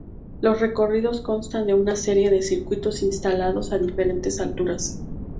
Los recorridos constan de una serie de circuitos instalados a diferentes alturas.